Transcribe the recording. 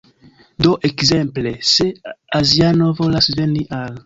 Do ekzemple, se aziano volas veni al